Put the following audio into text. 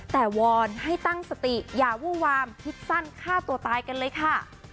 แต่วอนให้ตั้งสติอย่าวู้วามคิดสั้นฆ่าตัวตายกันเลยค่ะ